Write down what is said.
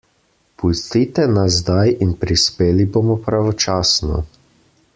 Pustite nas zdaj in prispeli bomo pravočasno.